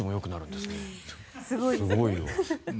すごいわ。